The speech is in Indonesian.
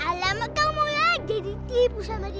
alamak kamu ya jadi tipu sama dia